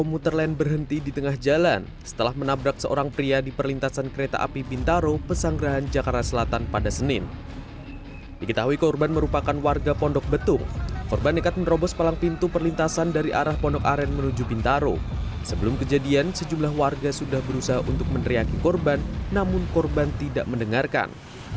untuk meneriaki korban namun korban tidak mendengarkan